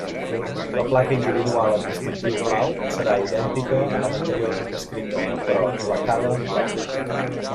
La placa individual amb distintiu blau serà idèntica a l'anteriorment descrita, però lacada en blau.